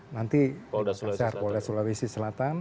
nanti di basar polda sulawesi selatan